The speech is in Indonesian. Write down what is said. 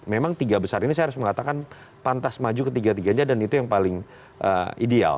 memang tiga besar ini saya harus mengatakan pantas maju ke tiga tiga aja dan itu yang paling ideal